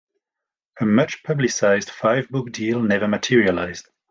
A much-publicised five-book deal never materialised.